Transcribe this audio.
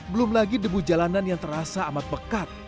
belum lagi debu jalanan yang terasa amat pekat